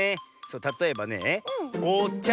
たとえばね「おちゃ」